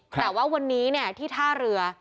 แต่ว่าวันนี้ที่ท่าเรือ